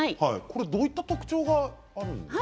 どういった特徴があるんですか？